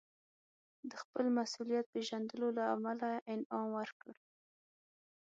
د خپل مسوولیت پېژندلو له امله انعام ورکړ.